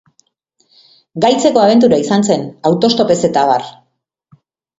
Gaitzeko abentura izan zen, auto-stopez eta abar!